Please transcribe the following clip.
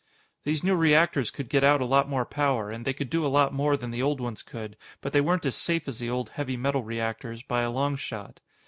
These new reactors could get out a lot more power, and they could do a lot more than the old ones could, but they weren't as safe as the old heavy metal reactors, by a long shot.